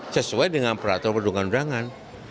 sesuai dengan peraturan perundangan undangan